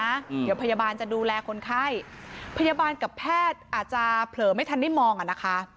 เดี๋ยวพยาบาลจะดูแลคนไข้พยาบาลกับแพทย์อาจจะเผลอไม่ทันได้มองอ่ะนะคะ